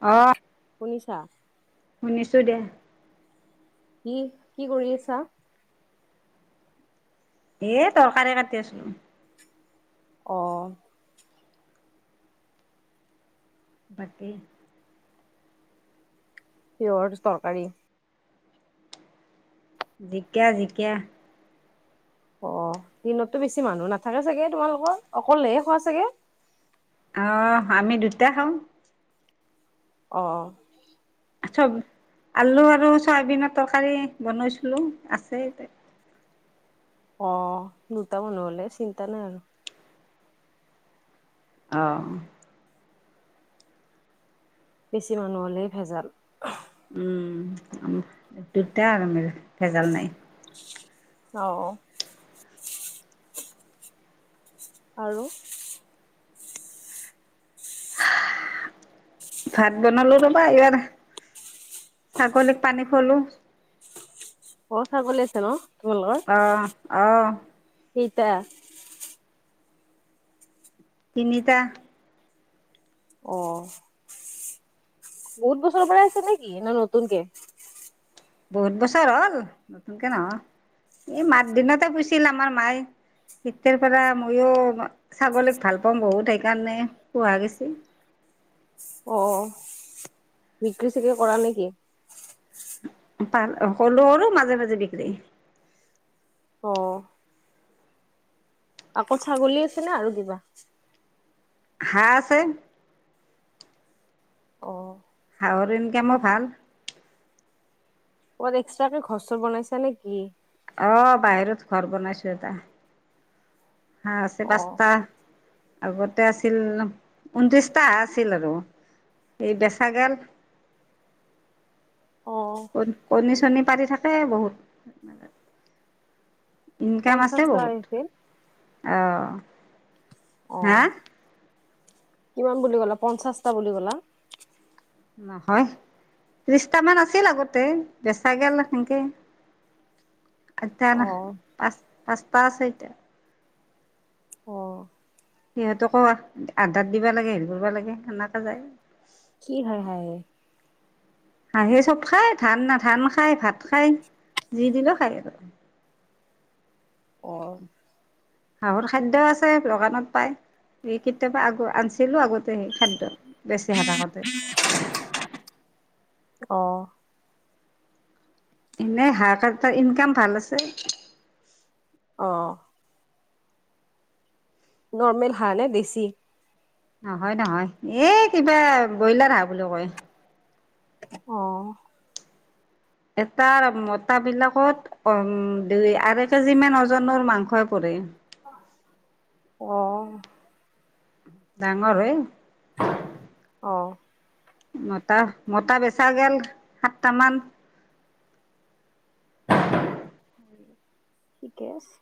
অ শুনিছা? শুনিছোঁ দিয়া। কি, কি কৰি আছা? এ, তৰকাৰী কাটি আছিলোঁ। অ, বাকী কিহৰ তৰকাৰী জিকা, জিকা। অ, দিনতটো বেছি মানুহ নাথাকে চাগে তোমালোকৰ, অকলেহে খোৱা চাগে? অ, আমি দুটা খাওঁ। অ, চব, আলু আৰু চয়াবিনৰ তৰকাৰী বনইছিলোঁ, আছেই। অ, দুটা মানুহলে, চিন্তা নাই আৰু। অ, বেছি মানুহ হ'লেহে ভেজাল। উম, দুট আৰু আম ভেজাল নাই। অ, আৰু, ভাত বনালো ৰ'বা, এইবাৰ ছাগলীক পানী খৱালো। ঘৰৰ ছাগলী আছে ন, তোমাৰ? অ অ তিনিটা তিনিটা। অ, বহুত বছৰৰ পৰা আছে নেকি, নে, নতুনকে। বহুত বছৰ হ'ল নতুনকে নহয়, এই মাত দিনতে পুছিল আমাৰ মায়ে। কেতিয়ৰ পৰা ময়ো, ছাগলীক ভাল পাওঁ, বহুত সেইকাৰণে পোহা গৈছে। অ, বিক্ৰী-চিক্ৰি কৰা নেকি? পাল, সলো, আৰু মাজে, মাজে বিক্ৰী অ, আকল ছাগলী আছে নে, আৰু কিবা? ঘাহ আছে। অ, আগত এনকে মই ভাল। ক'বাত এক্সট্ৰাকে ঘৰৰ-চৰ বনাইছা নেকি? অ, বাহিৰত ঘৰ বনাইছোঁ এটা। হা, অ [inaudible] আগতে, আছিল ঊনত্ৰিশটা আছিল আৰু সেই বেচাগাল। অ, কণী-চণী পাৰি থাকে বহুত। ইনকাম আছে পঞ্চাশটা বহুত, আহিছিল। অ, অ, হা কিমান বুলি ক'লা, পঞ্চাশটা বুলি ক'লা। নহয়, ত্ৰিশটামান আছিল আগতে, বেচা গে'ল সেনেকে। [inaudible] [inaudible] অ'। পাচ-পাচটা আছে এতিয়া। অ, সিহঁতক কোৱা, আধডাত দিবা লাগে, হেৰি কৰিবা লাগে, সেনেকে যায়। কি হাঁহ [inaudible] হাঁহে চব খায়, ধান [unintelligible] ধান খায়, ভাত খায়, যি দিলেও খায় আৰু। অ'! হাঁহৰ খাদ্য আছে, দোকানত পাই। সেই কেতিয়াবা, আগ, আনিছিলোঁ আগতে, সেই খাদ্য। বেছি হাঁহ থাকোঁতে। [unintelligible] অ'! এনেই, [unintelligible] তাৰ, ইনকাম ভাল আছে। অ'! নৰ্মেল হাঁহ নে বেছি? নহয়-নহয়, এই কিবা, ব্ৰইলাৰ হাঁহ বুলিও কয়। অ'! এটাৰ মতা বিলাকত [unintelligible] দুই, আঢ়ৈ কেজি মান ওজনৰ মাংসই পৰে। অ'! ডাঙৰ হয়। [unintelligible] অ'! মতা, মতা বেচা গে'ল, সাতটামান। [unintelligible] ঠিকে আছে।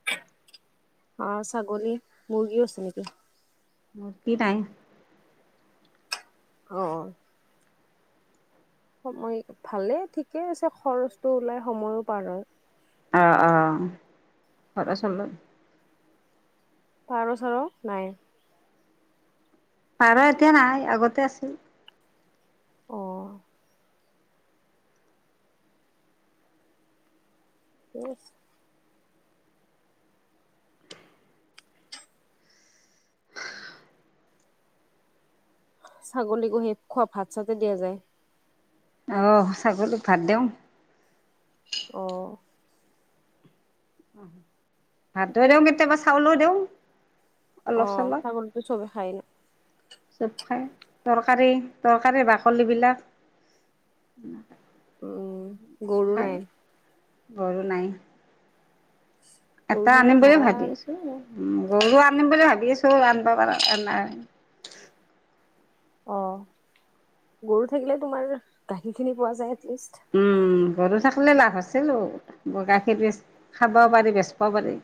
[unintelligible] অ'! ছাগলী, মুৰ্গীও আছে নেকি? [unintelligible] অ' অ'! সময় ভালেই! ঠিকেই আছে, খৰচটো ওলাই। সময়ো পাৰ হয়। অ'! অ'! [unintelligible] পাৰ-চাৰ নাই? পাৰ এতিয়া নাই, আগতে আছিল। অ', [unintelligible] ছাগলী গু, [unintelligible] খোৱা, ভাত- চাতে দিয়া যায়। অ'! ছাগলীক ভাত দিওঁ। অ'! ভাতো ঠিকে দিওঁ, কেতিয়াবা চাউলো দিওঁ। অলপ অ'! চলপ ছাগলীতো, চবে খায় চব খাই, তৰকাৰী-তৰকাৰী বাকলিবিলাক উম গৰু নাই খয়। গৰু নাই। গৰু এটা থাকিলে আনিম বুলি ভাবি ভাল আছোঁ! উম, গৰু আনিম বুলি ভাবি আছোঁ! আনিব পৰা নাই। অ'! গৰু থাকিলে তোমাৰ, গাখীৰখিনি পোৱা যায়, এটলিষ্ট। উম! গৰু-ছাগলী লাভ আছিলোঁ। বগাকে [unintelligible] খাবও পাৰি, বেচিবও পাৰি।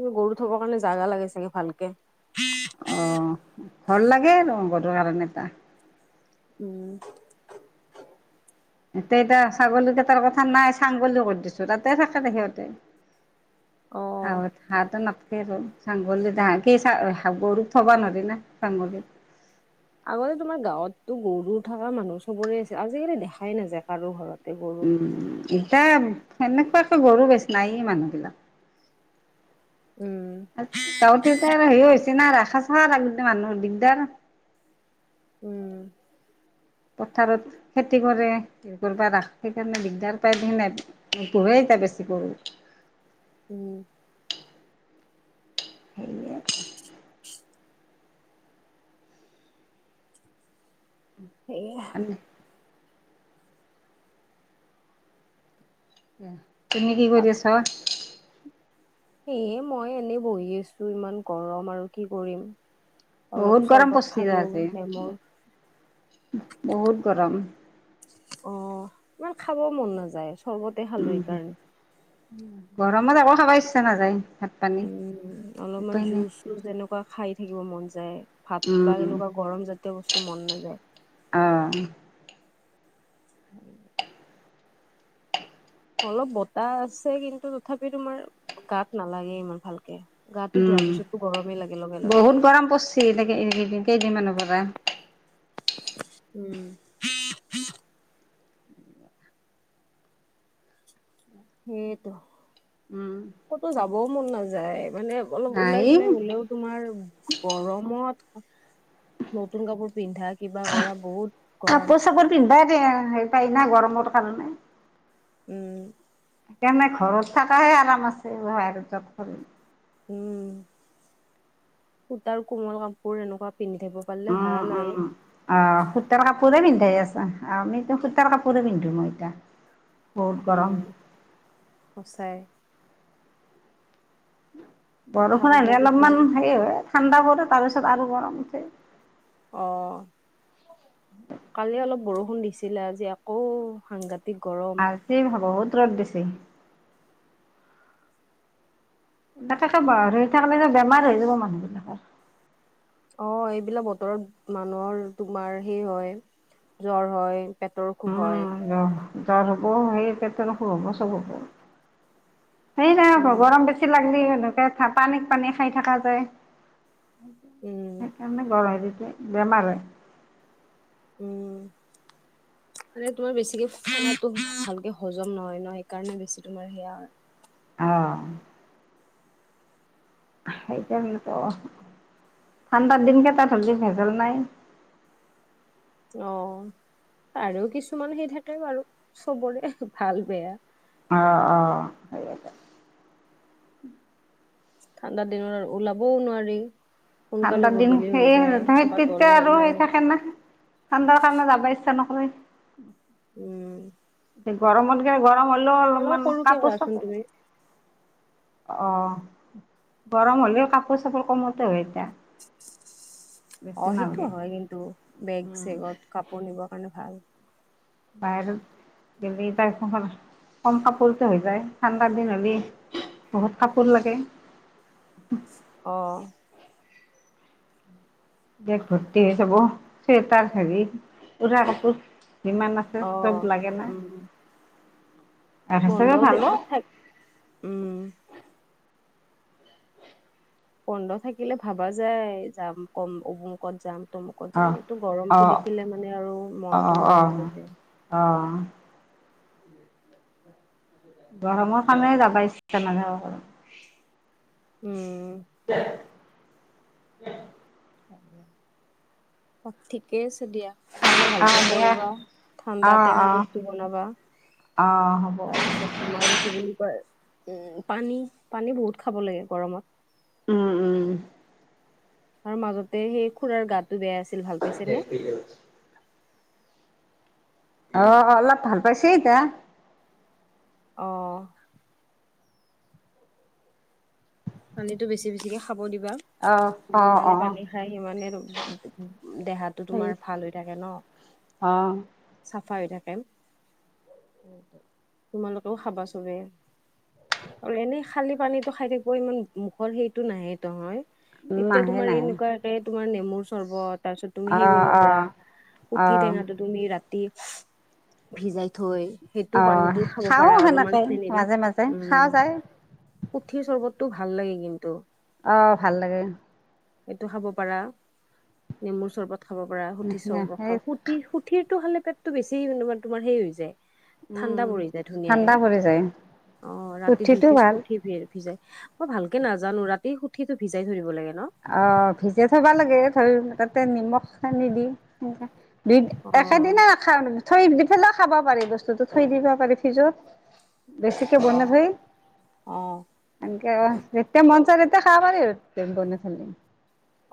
উম, গৰু থ'বৰ কাৰণে, জাগা লাগে চাগে, ভালকে। অ'! ঘৰ লাগে, ৰ' গৰু কাৰণে এটা উম! এতিয়া, এতিয়া ছাগলীকেইটাৰ কথা নাই। ছাং বুলি কৰি দিছোঁ, তাতে থাকে দে সিহঁতে। অ আৰু হাঁহটো না [unintelligible] গৰুক থ'বা নোৱাৰি না! ছাং [unintelligible] আগতে তোমাৰ, গাঁৱততো গৰু থকা মানুহ চবৰে আছিল। আজিকালি, দেখাই নাযায়, কাৰোঁ ঘৰত। উম! এতিয়া, সেনেকুৱাকে গৰু, বেছি নায়েই মানুহবিলাকৰ। উম! গাওঁতে এতিয়া সেই হৈছে না ৰাখা চাখা থাকিলে মানুহৰ দিগদাৰ উম পথাৰত খেতি কৰে কৰিব ৰা সেইকাৰণে দিগদাৰ পাই নোপোহেই এতিয়া বেছি গৰু উম [inaudible] [inaudible] সেইয়া উম তুমি কি কৰি আছা ঐ? এই মই এনেই বহি আছো ইমান গৰম আৰু কি কৰিম। অলপ বহুত গৰম চৰ্বত পৰিছিল খালো আজি, নেমৰ বহুত গৰম। অ ইমান খাব মন নাযায়। চৰ্বতে খালো উম, সেইকাৰণে গৰমত একো খাব ইচ্ছা নাযায়। পানী উম অলপমান উপায় নাই জুচ চুজ এনেকুৱা খাই থাকিব মন যায়। ভাত বা উম এনেকুৱা গৰম জাতীয় বস্তু মন নাযায়। অ [inaudible] অলপ বতাহ আছে কিন্তু তথাপিও তোমাৰ গাত নালাগে ইমান ভালকে। গাটো ধোৱাৰ উম পিছতো গৰমেই লাগে লগে লগে। বহুত গৰম প ৰিছি এ কেইদিনমানৰ পৰা। উম সেয়েইটো উম ক'তো যাবও মন নাযায় মানে অলপ নাই ওলাই চোলাই গ'লেও তোমাৰ গৰমত নতুন কাপোৰ পিন্ধা, কিবা কৰা বহুত গৰম। কাপোৰ চাপোৰ পিন্ধাই [unintelligible] গৰমৰ কাৰণে। উম। সেইকাৰণে ঘৰত থকাহে আৰাম আছে, [unintelligible] উম, সূতাৰ কোমল কাপোৰ, এনেকুৱা পিন্ধি থাকিব পাৰিলে ভাল উম, আৰু উম। অ, সূতাৰ কাপুৰে পিন্ধাই আছা, আমিটো সূতাৰ কাপুৰে পিন্ধো মই এতিয়া। বহুত উম গৰম। সঁচাই। কথা বৰষুণ ক'ব আহিলে গৈছিল অলপমান হেৰি হয়, ঠাণ্ডা পৰে তাৰপিছত আৰু গৰম উঠে। অ, কালি অলপ বৰষুণ দিছিলে, আজি আকৌ সাংঘা তিক গৰম। কি হব বহুত ৰ'দ দিছে। তাকে ত ৰদত থাকিলেটো বেমাৰ হৈ যাব মানু্হ বিলাকৰ। অঁ, এইবিলাক বতৰত মানুহৰ তোমাৰ সেই হয়। জ্বৰ হয়, পেটৰ অসুখ হয়। উম, জ্বৰ হ'ব, সেই পেটৰ অসুখ হ'ব, চব হ'ব। সেই নাই, উম, গৰম বেছি লাগিলে সনেকাই পানীক, পানী খাই থকা যায়। উম, সেইকাৰণে, গৰম দিলে বেমাৰ হয়। উম। মানে তোমাৰ বেছিকে খোৱাটো, ভালকে হজম নহয় ন, সেইকাৰণে বেছি তোমাৰ সেয়া অ। সেইকাৰণেটো, ঠাণ্ডাৰ দিনকেইটাত বেছি ভেজাল নাই। অ, আৰু কিছুমান সেই থাকে বাৰু, চবৰে ভাল বেয়া। অ। অ। সেইকেইটা ঠাণ্ডা দিনত আৰু ওলাবও নোৱাৰি। সোনকালে ঠাণ্ডা দিন, গধূলি হৈ যায় সেই ক'ৰবাত তেতিয়া ওলাই আৰু ওলাই হেৰি থাকে না। ঠাণ্ডাৰ কাৰণে যাবই ইচ্ছা নকৰে। উম। গৰমতকে, গৰম হ'লেও অলপ অলপমান সৰুকে কাপোৰ কোৱাচোন চাপ তুমি অ, গৰম হ'লেও কাপোৰ-চাপোৰ কমতে হয় এতিয়া। অ, বেছি সেইটো নালগে হয় কিন্তু, বেগ- চেগত কাপোৰ নিবৰ কাৰণে ভাল। [unintelligible] কম কাপোৰতে হৈ যায়, ঠাণ্ডা দিন হ'লে, বহুত কাপোৰ লাগে। অ। বেগ ভৰ্তি হৈ যাব, চুৱেটাৰ হেৰি, পুৰা কাপোৰ যিমান আছে অ য'ত ত'ত লাগে না। উম বন্ধ হিচাপে ভালো দিবা থাক, উম। বন্ধ থাকিলে ভাবা যায়, যাম কম, অমুকত যাম। তমুকত যাম, অঁ এইটো গৰমটো অঁ দেখিলে মানে আৰু মনটো নোহোৱা হৈ থাকে। অ। গৰমৰ কাৰনেহে যাব ইচ্ছা নাথাকে কতো। উম। [inaudible] অ, ঠিকেই আছে দিয়া, খোৱা-বোৱা অঁ ভালকে দিয়া কৰিবা, ঠাণ্ডা, টেঙা বস্তু বনাবা। অ, হ'ব। তাৰপিছত তোমাৰ, কি বুলি কয়, উম, পানী, পানী বহুত খাব লাগে গৰমত। উম, উম। আৰু মাজতে সেই, খুৰাৰ গাটো বেয়া আছিল, ভাল পাইছে নে [unintelligible] অ, অলপ ভাল পাইছে এতিয়া। অঁ। পানীটো বেছি- বেছিকে খাব দিবা। অ। যিমানে অ' পানী খাই, সিমানে দেহাটো সেই তোমাৰ ভাল হৈ থাকে ন। অ। চাফা হৈ থাকে। উম। তোমালোকেও খাবা চবে। আৰু এনেই খালি পানীত টো খাই থাকিব ইমান মুখৰ সেইটো নাহে হয়, তেতিয়া নাহে তোমাৰ নাহে এনেকুৱা তোমাৰ নেমুৰ চৰ্বত, তাৰ পিছত তুমি সেই অ' কৰিব পাৰা অ' উুঠি অ' টেঙাটো। তুমি ৰাতি ভিজাই থৈ, সেইটো অ' পানীত খাব খাওঁ পাৰা, অলপমান সেনেকে চেনে দি। মাজে মাজে খাৱা উম। যায় সুতিৰ চৰ্বতটো ভাল লাগে কিন্তু। অঁ ভাল লাগে। এইটো খাব পাৰা নেমুৰ চৰ্বত খাব পাৰা সুতি চৰ্বত সেই খাব সুতি সুতিৰটো খালে পেটটো বেছি তোমাৰ হেৰি হৈ যায়। উম। ধুনীয়া ঠাণ্ডা পৰি যায় অ ৰাতি দুই পুঠিটো পিছ ভাল সু ভিজাই মই ভালকে নাজানো ৰাতি সুতিটো ভিজাই থয় দিব লাগে ন। অ ভিজাই থবা লাগে ধৰি তাতে নিমখ হানি দি দুই অ একেদিনা থৈ দি পেলাই খাব পাৰি বস্তুটো থৈ দিব পাৰি ফ্ৰিজত। বেছিকে অ বনাই থয়। অ এনেকে অ যেতিয়া মন যায় তেতিয়া খাব পাৰি আৰু বনাই চনাই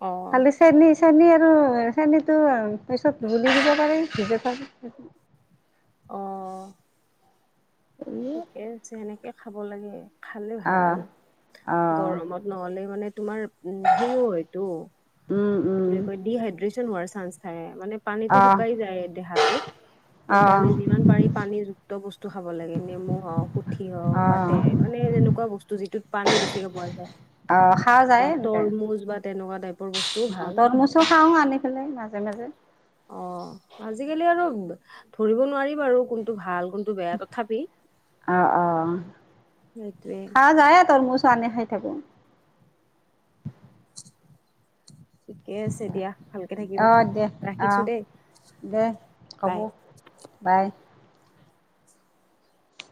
অ খালি চেনী- চেনী -আৰু চেনীটো পিছত ঘোলি দিব পাৰি। অঁ। ঠিকে যে এনেকে খাব লাগে খালে ভাল আহ আহ গৰমত। নহ'লে মানে তোমাৰ ঘিউ হয়তটো। উম- উম। বুলি কয় ডিহাইড্ৰেচন হোৱাৰ চান্স থাকে মানে পানীতটো আহ শুকাই যায় দেহাটোত। আহ সেইকাৰণে যিমান পাৰি পানীযুক্ত বস্তু খাব লাগে নেমু হওক পুঠি হওক বা আহ তেৰ মানে যেনেকুৱা বস্তু। যিটোত পানী বেছিকে পোৱা যায়। আহ খোৱা যায় বা এনেকে তৰমুজ বা তেনেকুৱা টাইপৰ বস্তু। অ তৰমুজও খাওঁ আনি পেলাই মাজে -মাজে। অ আজিকালি আৰু ধৰিব নোৱাৰি বাৰু কোনটো ভাল কোনটো বেয়া তথাপি অ অ। সেইটোৱে খাৱা যায় তৰমুজটো আনি খাই থাকো। ঠিকে আছে দিয়া ভালকে অ থাকিবা দে অ ৰাখিছো দেই দে হ'ব বাই। বাই।